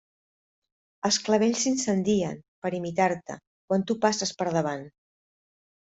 Els clavells s'incendien, per imitar-te, quan tu passes per davant.